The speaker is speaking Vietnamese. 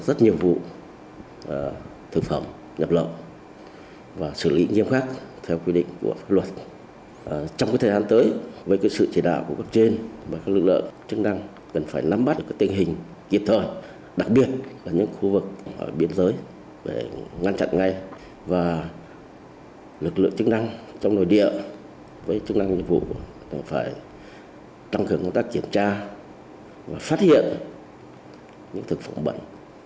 chặt chẽ với lực lượng biên phòng và các lực lượng trên địa bàn thì chúng tôi đã bắt giữ được rất nhiều vụ thực phẩm nhập lậu thu giữ hơn một mươi ba kg da cầm một mươi bốn kg nằm lợn cùng nhiều loại thực phẩm nhập lậu khác